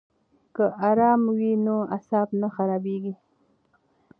که آرام وي نو اعصاب نه خرابیږي.